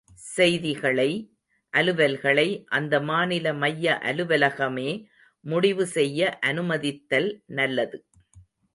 செய்திகளை, அலுவல்களை அந்த மாநில மைய அலுவலகமே முடிவு செய்ய அனுமதித்தல் நல்லது.